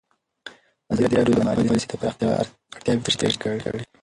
ازادي راډیو د مالي پالیسي د پراختیا اړتیاوې تشریح کړي.